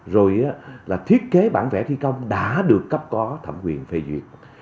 rồi là thiết kế bản vẽ thi công đã được cấp có thẩm quyền phê duyệt